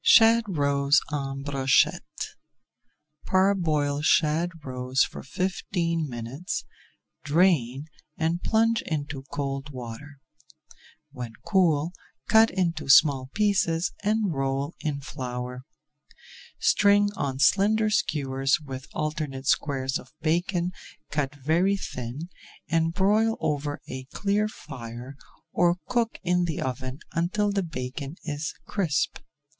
SHAD ROES EN BROCHETTE Parboil shad roes for fifteen minutes, drain, and plunge into cold water. When cool, cut into small pieces and roll in flour. String on slender skewers with alternate squares of bacon cut very thin and broil over a clear fire or cook in the oven until the bacon is crisp.